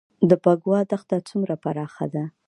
د بکوا دښته څومره پراخه ده؟